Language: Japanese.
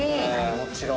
もちろん。